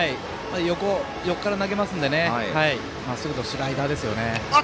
横から投げますのでまっすぐとスライダーですね。